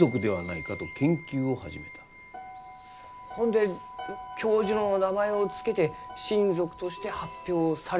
ほんで教授の名前を付けて新属として発表されようと？